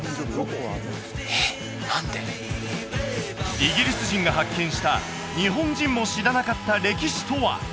イギリス人が発見した日本人も知らなかった歴史とは！？